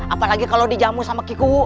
apalagi kalau dijamu sama kiku